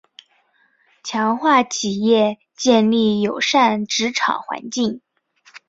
强化企业建立友善职场环境